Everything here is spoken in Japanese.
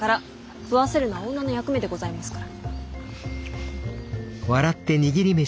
食わせるのは女の役目でございますから。